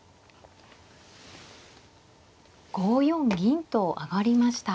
５四銀と上がりました。